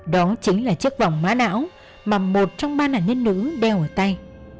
đó chính là chiếc vòng mã não mà một trong ba nạn nhân nữ đeo ở tay